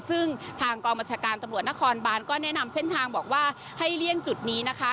ซึ่งทางกองบัญชาการตำรวจนครบานก็แนะนำเส้นทางบอกว่าให้เลี่ยงจุดนี้นะคะ